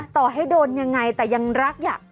ต่อให้โดนยังไงแต่ยังรักอยาก